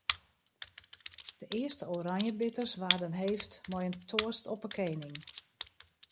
De earste oranjebitters waarden heefd mei in toast op 'e kening.